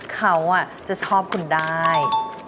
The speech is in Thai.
เขาจะชอบคุณได้